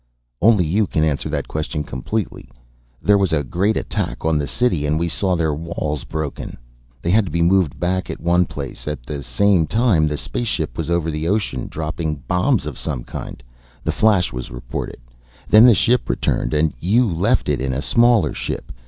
"Only you can answer that question completely. There was a great attack on the city and we saw their walls broken, they had to be moved back at one place. At the same time the spaceship was over the ocean, dropping bombs of some kind the flash was reported. Then the ship returned and you left it in a smaller ship.